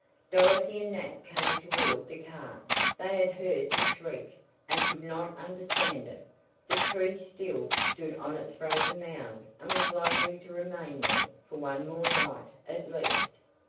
Dorothy and Nat came toward the car. They had heard the shriek, and could not understand it. The tree still stood on its frozen mound and was likely to remain there, for one more night, at least.